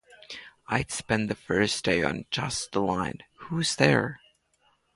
I'd spend the first day on just the line, 'Who's there?